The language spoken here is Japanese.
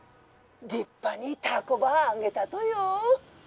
☎立派に凧ばあげたとよ。